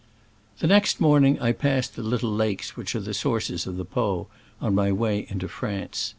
The next morning I passed the little lakes which are the sources of the Po, on my way into France.